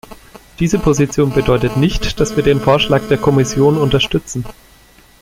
Diese Position bedeutet nicht, dass wir den Vorschlag der Kommission unterstützen.